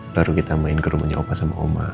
baru kita main ke rumahnya opa sama oma